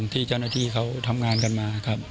ที่เจ้าหน้าที่เขาทำงานกันมาครับ